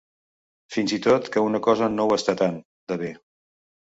Fins i tot que una cosa no ho està tant, de bé.